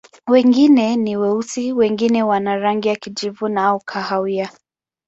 Wengine ni weusi, wengine wana rangi ya kijivu au kahawia.